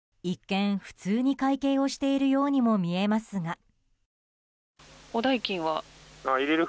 一見、普通に会計をしているようにも見えますが。